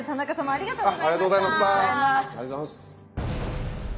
ありがとうございます。